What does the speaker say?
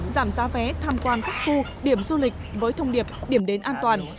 giảm giá vé tham quan các khu điểm du lịch với thông điệp điểm đến an toàn